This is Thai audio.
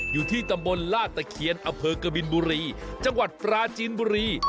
อยู่ที่ตำบลลาดตะเคียนอำเภอกบินบุรีจังหวัดปราจีนบุรี